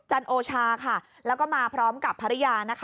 จันโอชาแล้วก็มาพร้อมกับภรรยา